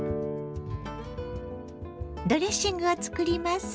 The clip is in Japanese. ドレッシングを作ります。